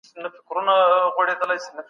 پټانان په هند کي په کومو کارونو بوخت وو؟